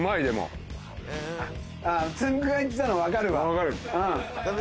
つんく♂が言ってたの分かるわ。